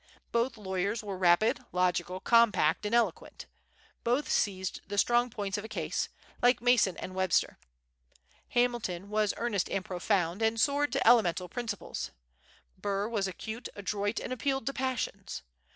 Both lawyers were rapid, logical, compact, and eloquent. Both seized the strong points of a case, like Mason and Webster. Hamilton was earnest and profound, and soared to elemental principles. Burr was acute, adroit, and appealed to passions.